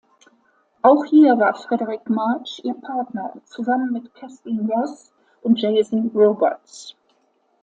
Auch hier war Fredric March ihr Partner, zusammen mit Katharine Ross und Jason Robards.